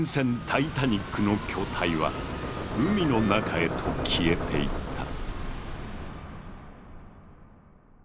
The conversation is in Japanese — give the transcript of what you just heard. タイタニックの巨体は海の中へと消えていった。